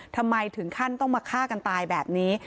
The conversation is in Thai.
ทำไมถึงขั้นต้องมาฆ่ากันตายแบบนี้